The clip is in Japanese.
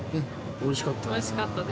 おいしかったです。